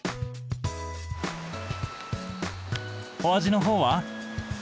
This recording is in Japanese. お味の方は？